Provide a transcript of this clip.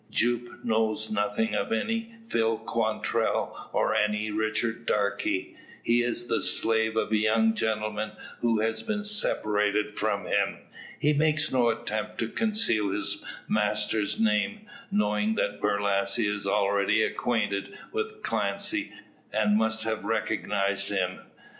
Jupe knows nothing of any Phil Quantrell, or any Richard Darke. He is the slave of the young gentleman who has been separated from him. He makes no attempt to conceal his master's name, knowing that Borlasse is already acquainted with Clancy, and must have recognised him.